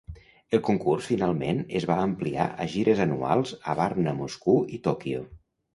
El concurs finalment es va ampliar a gires anuals a Varna, Moscou i Tòquio.